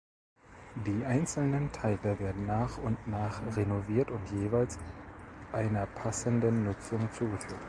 Die einzelnen Teile werden nach und nach renoviert und jeweils einer passenden Nutzung zugeführt.